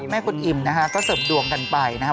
แม่คุณอิ่มนะคะก็เสริมดวงกันไปนะคะ